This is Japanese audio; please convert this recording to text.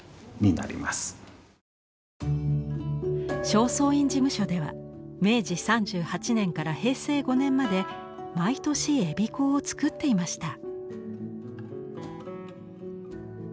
正倉院事務所では明治３８年から平成５年まで毎年「衣香」を作っていました。